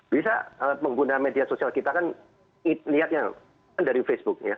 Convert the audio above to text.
bisa pengguna media sosial kita kan niatnya kan dari facebook ya